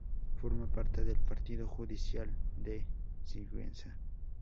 Forma parte del partido judicial de Sigüenza.